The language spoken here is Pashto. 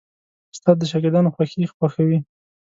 استاد د شاګردانو خوښي خوښوي.